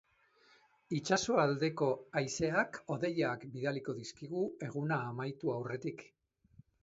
Itsaso aldeko haizeak hodeiak bidaliko dizkigu eguna amaitu aurretik.